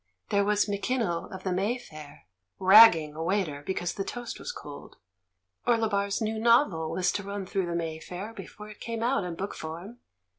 There was McKinnell, of the Mai/fcdr, ragging a waiter because the toast was cold; Or lebar' s new novel was to run through the May fair before it came out in book form.